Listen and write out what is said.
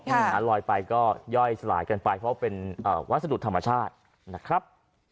ลอยไปก็ย่อยสลายกันไปเพราะเป็นวัสดุธรรมชาตินะครับ